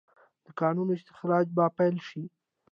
د کانونو استخراج به پیل شي؟